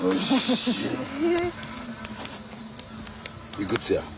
いくつや？